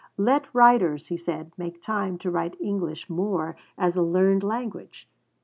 Let writers, he said, 'make time to write English more as a learned language.'